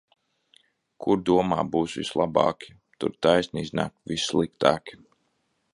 Kur domā būs vislabāki, tur taisni iznāk vissliktāki.